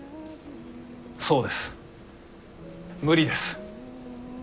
そうです無理です。